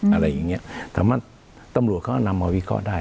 อะไรอย่างเงี้ยถามว่าตำรวจเขานำมาวิเคราะห์ได้